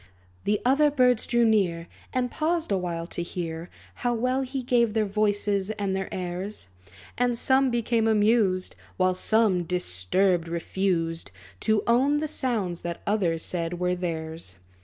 The other birds drew near, And paused awhile to hear How well he gave their voices and their airs. And some became amused; While some, disturbed, refused To own the sounds that others said were theirs.